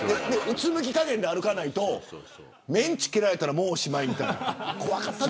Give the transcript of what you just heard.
うつむきかげんで歩かないとメンチ切られたらもうおしまい。